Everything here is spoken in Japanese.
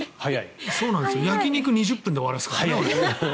焼き肉２０分で終わらせるから。